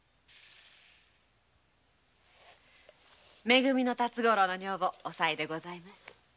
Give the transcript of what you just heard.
め組の辰五郎の女房おさいでございます。